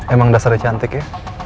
emang dasarnya cantik ya